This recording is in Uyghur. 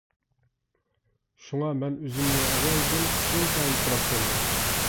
شۇڭا مەن ئۆزۈمنى ئەزەلدىن ئىنتايىن سوراپ كەلگەن.